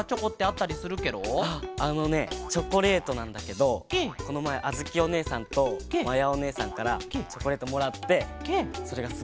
あのねチョコレートなんだけどこのまえあづきおねえさんとまやおねえさんからチョコレートもらってそれがすっごいおいしかった。